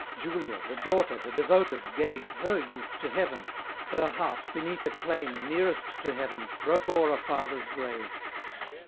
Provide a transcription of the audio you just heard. Julia the daughter, the devoted gave Her youth to Heaven; her heart, beneath a claim Nearest to Heaven's, broke o'er a father's grave.